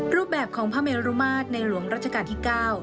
รูปแบบของพระเมรุมาตรในหลวงรัชกาลที่๙